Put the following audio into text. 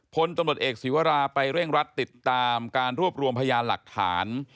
พลตำรวจเอกศีวราไปเร่งรัดติดตามการรวบรวมพยานหลักฐาน